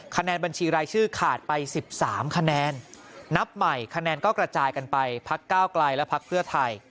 คะแนนบัญชีรายชื่อขาดไป๑๓คะแนนนับใหม่คะแนนก็กระจายกันไปพักก้าวไกลและพักเพื่อไทย